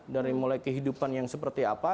dari mulai kehidupan yang seperti apa